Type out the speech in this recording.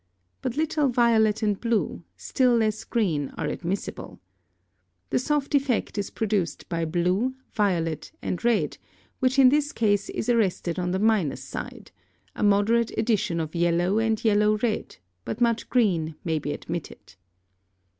But little violet and blue, still less green, are admissible. The soft effect is produced by blue, violet, and red, which in this case is arrested on the minus side; a moderate addition of yellow and yellow red, but much green may be admitted.